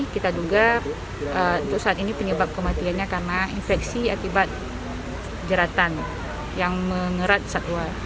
kita duga untuk saat ini penyebab kematiannya karena infeksi akibat jeratan yang mengerat satwa